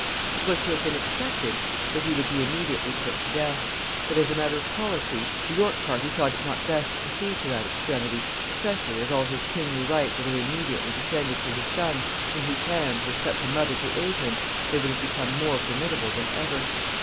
It was to have been expected that he would be immediately put to death; but, as a matter of policy, the York party thought it not best to proceed to that extremity, especially as all his kingly right would have immediately descended to his son, in whose hands, with such a mother to aid him, they would have become more formidable than ever.